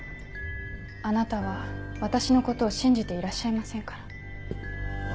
あなたは私のことを信じていらっしゃいませんから。